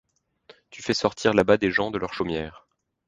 Tu fais sortir là-bas des gens de leur chaumière ;